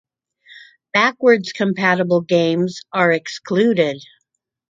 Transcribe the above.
Backwards compatible games are excluded.